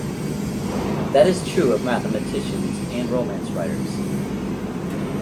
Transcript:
That is true of mathematicians and romance writers.